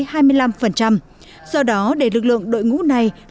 do đó để lực lượng đội ngũ này có thể đạt được tổ chức kinh tế cao